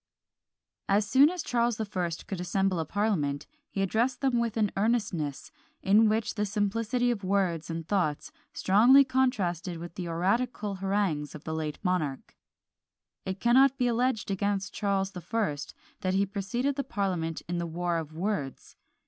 As soon as Charles the First could assemble a parliament, he addressed them with an earnestness, in which the simplicity of words and thoughts strongly contrasted with the oratorical harangues of the late monarch. It cannot be alleged against Charles the First, that he preceded the parliament in the war of words.